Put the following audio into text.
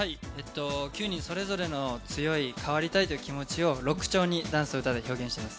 ９人それぞれの強い変わりたいという気持ちをロック調にダンスで表現しています。